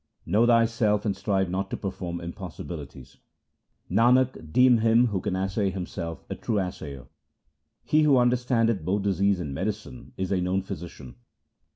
Know thyself and strive not to perform impos sibilities :— Nanak, deem him who can assay himself a true assayer. He who understandeth both disease and medicine is a knowing physician.